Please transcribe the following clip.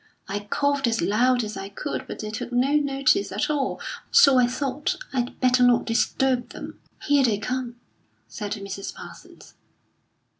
I coughed as loud as I could, but they took no notice at all. So I thought I'd better not disturb them." "Here they come," said Mrs. Parsons.